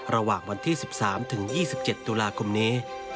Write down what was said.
ระหว่างวันที่๑๓ถึง๒๗ตุลาคมนี้